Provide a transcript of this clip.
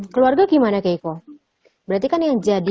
keluarga gimana keiko berarti kan yang jadi